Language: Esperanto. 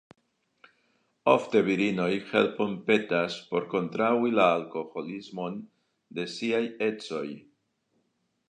Ofte virinoj helpon petas por kontraŭi la alkoholismon de siaj edzoj.